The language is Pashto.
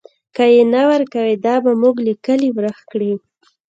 که یې نه ورکوئ، دا به موږ له کلي ورک کړي.